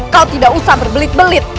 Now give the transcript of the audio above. kau tidak usah berbelit belit